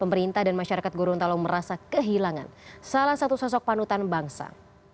pemerintah dan masyarakat gorontalo merasa kehilangan salah satu sosok panutan bangsa